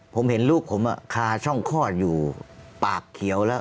ผมเห็นลูกผมคาช่องคลอดอยู่ปากเขียวแล้ว